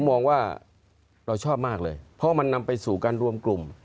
มองว่าเราชอบมากเลยเพราะมันนำไปสู่การรวมกลุ่ม